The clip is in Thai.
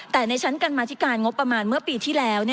แต่ในชั้นกรรมาธิการงบประมาณเมื่อปีที่แล้ว